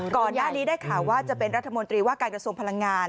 ก่อนหน้านี้ได้ข่าวว่าจะเป็นรัฐมนตรีว่าการกระทรวงพลังงาน